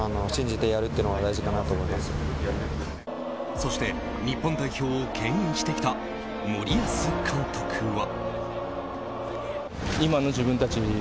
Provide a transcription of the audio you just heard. そして日本代表を牽引してきた森保監督は。